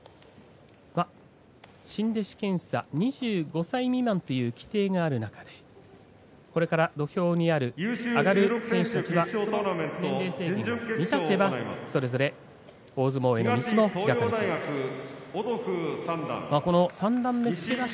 新弟子検査２５歳未満という規定がある中でこれから土俵に上がる選手たちは条件を満たせば大相撲への道が開かれます。